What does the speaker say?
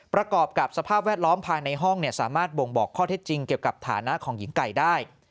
ประกอบกับสภาพแวดล้อมภายในห้องสามารถบ่งบอกข้อเท็จจริงเกี่ยวกับฐานะของหญิงไก่ได้